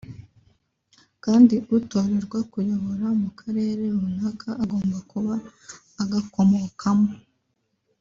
kandi utorerwa kuyobora mu Karere runaka agomba kuba agakomokamo